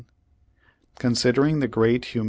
Consider ing the great hum.